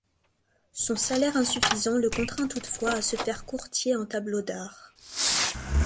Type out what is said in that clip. Son salaire insuffisant le contraint toutefois à se faire courtier en tableaux d'art.